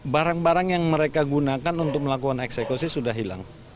barang barang yang mereka gunakan untuk melakukan eksekusi sudah hilang